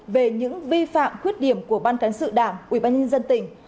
về những vi phạm khuyết điểm của ban cán sự đảng ủy ban nhân dân tỉnh